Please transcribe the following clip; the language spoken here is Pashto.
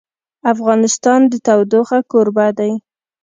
افغانستان د تودوخه کوربه دی.